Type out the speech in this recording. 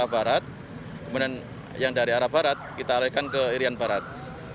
yang ke arah barat kemudian yang dari arah barat kita alihkan ke irian barat